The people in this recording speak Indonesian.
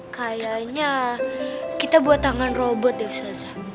kayaknya kita buat tangan robot ya ustazah